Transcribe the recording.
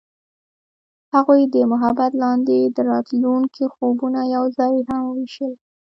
هغوی د محبت لاندې د راتلونکي خوبونه یوځای هم وویشل.